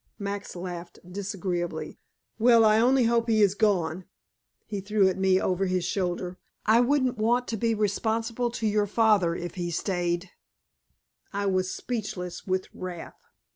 Max laughed disagreeably. "Well, I only hope he is gone," he threw at me over his shoulder, "I wouldn't want to be responsible to your father if he had stayed." I was speechless with wrath.